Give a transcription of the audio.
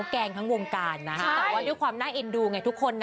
แต่ว่าด้วยความหน่าเอ็นดูไงทุกคน